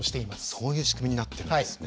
そういう仕組みになっているんですね。